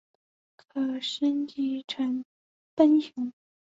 可升级成奔熊。